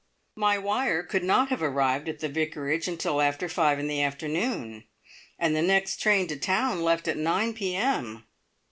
My wire could not have arrived at the Vicarage until after five in the afternoon, and the next train to town left at nine p.m.